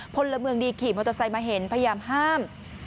พลเมืองดีขี่มอเตอร์ไซค์มาเห็นพยายามห้าม